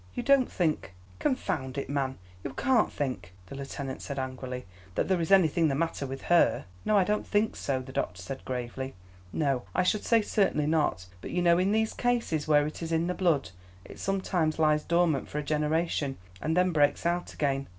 "You don't think confound it, man you can't think," the lieutenant said, angrily, "that there is anything the matter with her?" "No, I don't think so," the doctor said, gravely. "No, I should say certainly not; but you know in these cases where it is in the blood it sometimes lies dormant for a generation and then breaks out again.